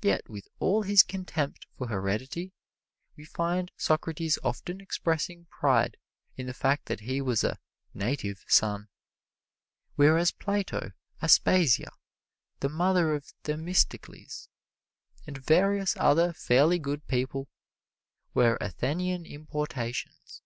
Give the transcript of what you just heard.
Yet with all his contempt for heredity, we find Socrates often expressing pride in the fact that he was a "native son," whereas Plato, Aspasia, the mother of Themistocles, and various other fairly good people, were Athenian importations.